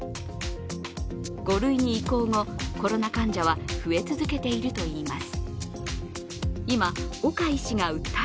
５類に移行後、コロナ患者は増え続けているといいます。